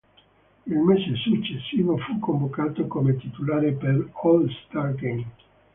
Il mese successivo fu convocato come titolare per l'All-Star Game.